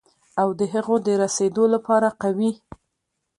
او د هغو ته د رسېدو لپاره قوي،